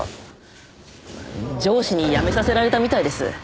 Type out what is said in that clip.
上司に辞めさせられたみたいです。